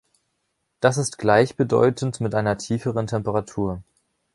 Das ist gleichbedeutend mit einer tieferen Temperatur.